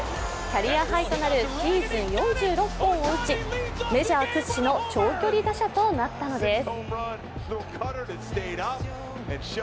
キャリアハイとなるシーズン４６本を打ちメジャー屈指の長距離打者となったのです。